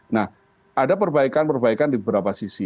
nah ada perbaikan perbaikan di beberapa sisi